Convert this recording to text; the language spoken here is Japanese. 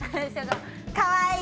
かわいい。